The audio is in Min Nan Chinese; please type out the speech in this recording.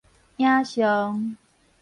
影像